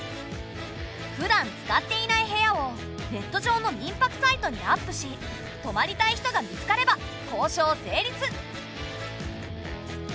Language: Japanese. ふだん使っていない部屋をネット上の民泊サイトにアップし泊まりたい人が見つかれば交渉成立。